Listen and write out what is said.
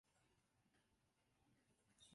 出身于千叶县船桥市。